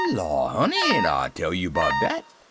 "Law, honey, ain't I tell you 'bout dat?"